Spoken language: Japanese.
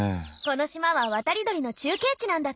この島は渡り鳥の中継地なんだって。